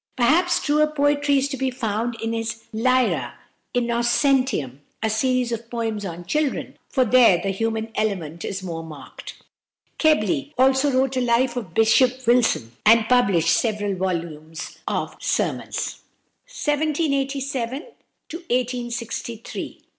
Perhaps truer poetry is to be found in his "Lyra Innocentium," a series of poems on children, for there the human element is more marked. Keble also wrote a "Life of Bishop Wilson," and published several volumes of sermons.